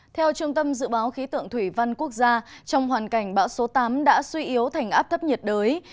theo trung tâm dự báo khí tượng thủy văn quốc gia trong hoàn cảnh bão số tám đã suy yếu thành áp thấp nhiệt đới